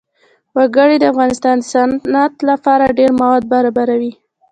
وګړي د افغانستان د صنعت لپاره ډېر مواد برابروي.